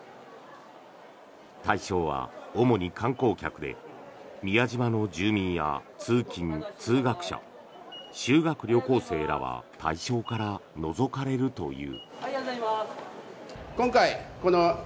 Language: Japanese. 対象は主に観光客で宮島の住民や通勤・通学者修学旅行生らは対象から除かれるという。